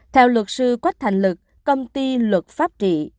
theo luật sư quách thành lực công ty luật pháp trị